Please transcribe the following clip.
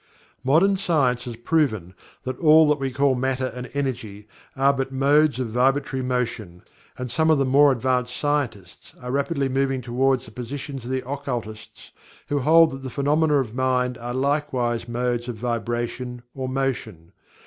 Modern Science has proven that all that we call Matter and Energy are but "modes of vibratory motion," and some of the more advanced scientists are rapidly moving toward the positions of the occultists who hold that the phenomena of Mind are likewise modes of vibration or motion.